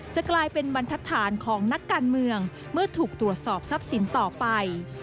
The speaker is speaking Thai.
จะกลายเป็นบรรทัศนของนักการเมืองเมื่อถูกตรวจสอบทรัพย์สินต่อไป